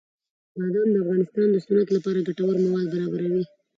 بادام د افغانستان د صنعت لپاره ګټور مواد برابروي.